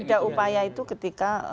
ada upaya itu ketika